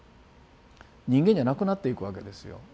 人間じゃなくなっていくわけですよ。